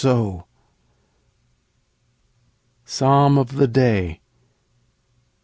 XII. PSALM OF THE DAY.